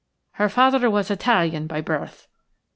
"Her father was Italian by birth."